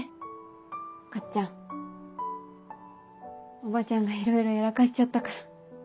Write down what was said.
おばちゃんがいろいろやらかしちゃったから。